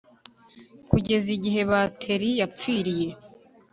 kugeza igihe bateri yapfiriye